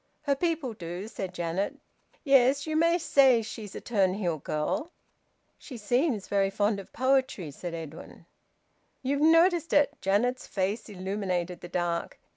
"Her people do," said Janet. "Yes, you may say she's a Turnhill girl." "She seems very fond of poetry," said Edwin. "You've noticed it!" Janet's face illuminated the dark.